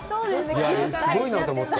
すごいなと思った。